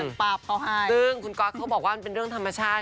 ปรับเขาให้ซึ่งคุณก๊อตเขาบอกว่ามันเป็นเรื่องธรรมชาติ